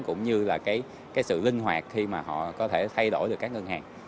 cũng như là cái sự linh hoạt khi mà họ có thể thay đổi được các ngân hàng